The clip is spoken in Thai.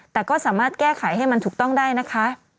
แต่ก็สามารถแก้ไขให้มันถูกต้องได้นะคะ